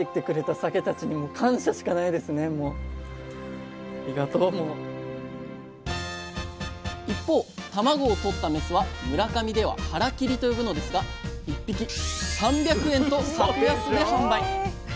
ありがとう！一方卵をとったメスは村上では「はらきり」と呼ぶのですが１匹３００円と格安で販売。